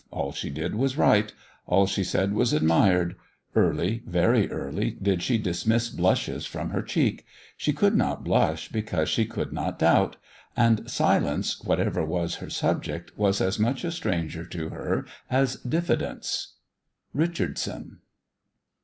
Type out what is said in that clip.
All she did was right; all she said was admired. Early, very early, did she dismiss blushes from her cheek: she could not blush because she could not doubt; and silence, whatever was her subject, was as much a stranger to her as diffidence. RICHARDSON.